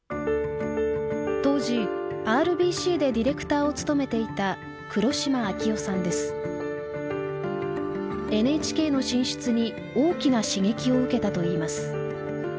当時ＲＢＣでディレクターを務めていたＮＨＫの進出に大きな刺激を受けたといいます。